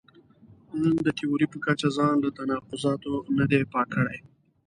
ان د تیوري په کچه ځان له تناقضاتو نه دی پاک کړی.